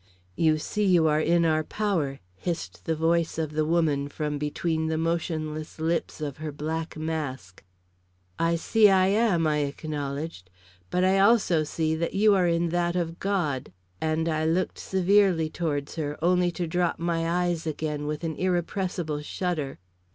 "You see you are in our power," hissed the voice of the woman from between the motionless lips of her black mask. "I see I am," I acknowledged, "but I also see that you are in that of God." And I looked severely towards her, only to drop my eyes again with an irrepressible shudder.